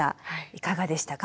いかがでしたか？